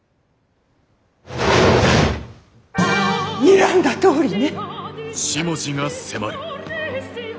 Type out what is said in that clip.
にらんだとおりね。